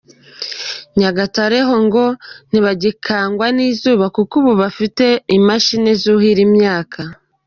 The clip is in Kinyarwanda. Nyagate ho ngo ntibagikwanga n’izuba kuko ubu bafite imashini zuhira imyaka.